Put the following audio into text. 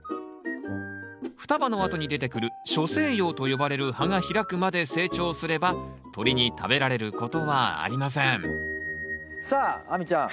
双葉のあとに出てくる初生葉と呼ばれる葉が開くまで成長すれば鳥に食べられることはありませんさあ亜美ちゃん。